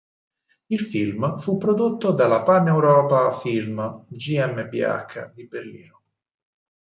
Il film fu prodotto dalla Pan Europa-Film GmbH di Berlino.